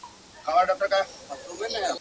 په مخلوق کي اوسېدله خو تنها وه ..